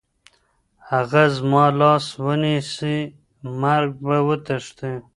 که هغه زما لاس ونیسي، مرګ به وتښتي.